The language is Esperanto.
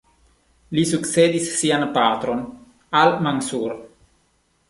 Li sukcedis sian patron, al-Mansur.